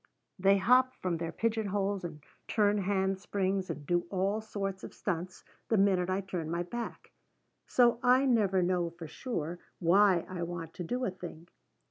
They hop from their pigeon holes and turn hand springs and do all sorts of stunts the minute I turn my back. So I never know for sure why I want to do a thing.